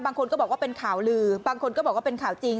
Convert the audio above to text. บางคนก็บอกว่าเป็นข่าวลือบางคนก็บอกว่าเป็นข่าวจริง